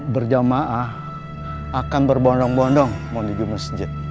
berjamaah akan berbondong bondong menuju masjid